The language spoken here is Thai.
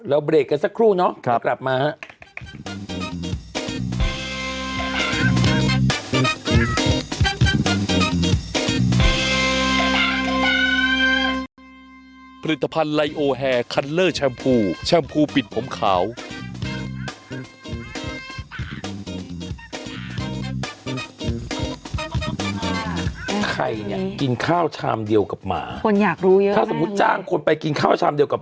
แล้วเบรกกันสักครู่เนาะกลับมาฮะครับ